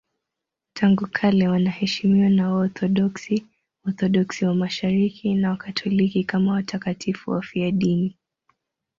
Tangu kale wanaheshimiwa na Waorthodoksi, Waorthodoksi wa Mashariki na Wakatoliki kama watakatifu wafiadini.